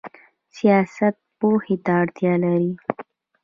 سیاست پوهې ته اړتیا لري؟